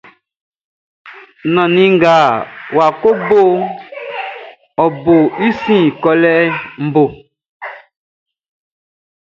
Nannin ngʼɔ́ wá kɔ́ʼn, ɔ bo i sin kɔlɛ bo.